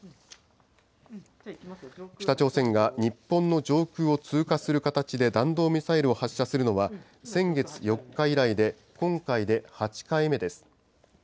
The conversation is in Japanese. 北朝鮮が日本の上空を通過する形で弾道ミサイルを発射するのは、先月４日以来で、今回で８回目です。